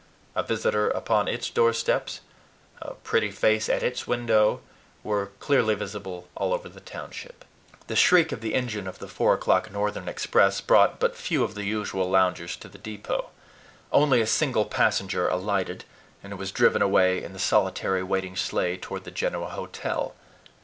A visitor upon its doorsteps, a pretty face at its window, were clearly visible all over the township. The shriek of the engine of the four o'clock Northern express brought but few of the usual loungers to the depot. Only a single passenger alighted, and was driven away in the solitary waiting sleigh toward the Genoa Hotel.